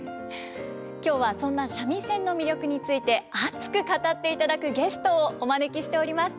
今日はそんな三味線の魅力について熱く語っていただくゲストをお招きしております。